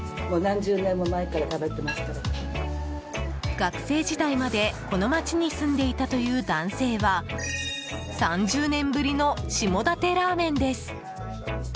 学生時代までこの町に住んでいたという男性は３０年ぶりの下館ラーメンです。